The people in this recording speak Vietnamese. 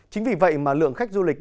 chính vì vậy mà lượng khách du lịch